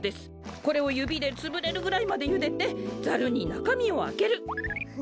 これをゆびでつぶれるぐらいまでゆでてザルになかみをあける。